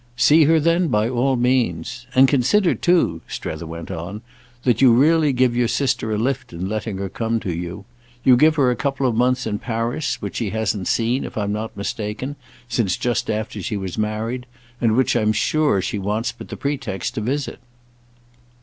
"See her then by all means. And consider too," Strether went on, "that you really give your sister a lift in letting her come to you. You give her a couple of months of Paris, which she hasn't seen, if I'm not mistaken, since just after she was married, and which I'm sure she wants but the pretext to visit."